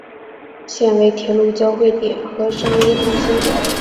现为铁路交会点和商业中心。